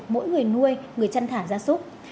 mỗi người nuôi người chăn thả gia súc